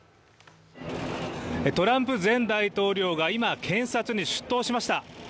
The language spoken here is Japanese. トランプ前大統領が今検察に出頭しました。